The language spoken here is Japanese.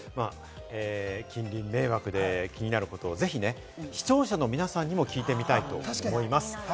近隣迷惑で気になることをぜひ視聴者の皆さんにも聞いてみたいと思います。